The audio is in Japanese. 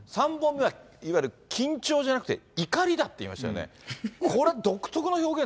３本目はいわゆる緊張じゃなくて、怒りだって言いましたよね。